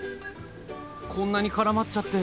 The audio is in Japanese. こんなに絡まっちゃって。